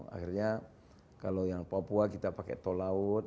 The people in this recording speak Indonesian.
akhirnya kalau yang papua kita pakai tol laut